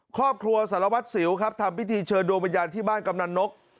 ครอบครัวสารวัตรสิวครับทำพิธีเชิญดวงวิญญาณที่บ้านกำนันนก